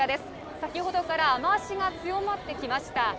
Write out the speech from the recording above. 先ほどから雨足が強まってきました。